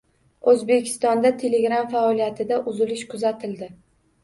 O‘zbekistonda Telegram faoliyatida uzilish kuzatildi